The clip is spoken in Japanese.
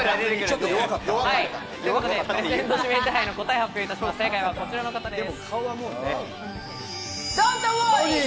プレゼント指名手配の答えを発表いたします、正解はこちらの方です。